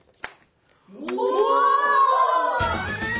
お！